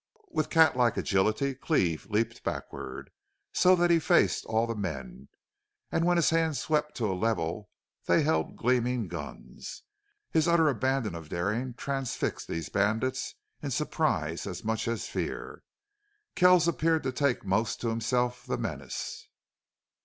With catlike agility Cleve leaped backward, so that he faced all the men, and when his hands swept to a level they held gleaming guns. His utter abandon of daring transfixed these bandits in surprise as much as fear. Kells appeared to take most to himself the menace.